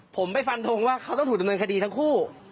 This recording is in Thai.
ผมไปฟันทงว่าเขาต้องถูกดำเนินคดีทั้งคู่